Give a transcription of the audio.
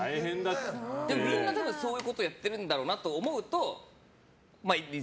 でも、みんなそういうことやってるんだろうなと思うとまあ、△。